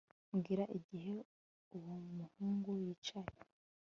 Mbwira igihe uwo muhungu yicaye